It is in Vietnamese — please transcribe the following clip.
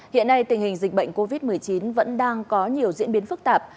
hiện nay tình hình dịch bệnh covid một mươi chín vẫn đang có nhiều diễn biến phức tạp